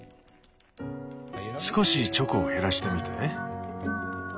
少しチョコを減らしてみて。